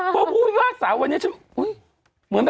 พวกพี่ภาคสารณ์แบบฯอ๋อ